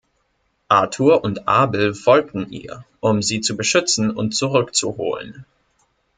Arthur und Abel folgen ihr, um sie zu beschützen und zurückzuholen.